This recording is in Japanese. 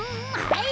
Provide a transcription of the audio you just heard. はい。